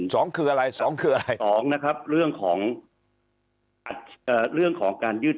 สองคืออะไรสองคืออะไรสองนะครับเรื่องของเรื่องของการยืด